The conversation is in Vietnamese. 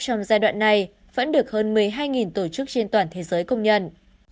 trong giai đoạn này vẫn được hơn một mươi hai tổ chức trên toàn thế giới công nhận